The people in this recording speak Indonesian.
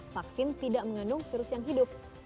vaksin tidak mengandung virus yang hidup